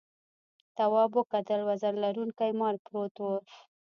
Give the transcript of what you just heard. تواب وکتل وزر لرونکي مار پروت و.